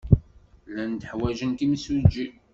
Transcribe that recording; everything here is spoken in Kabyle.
Llant ḥwajent imsujji.